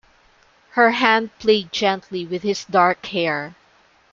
Her hand played gently with his dark hair.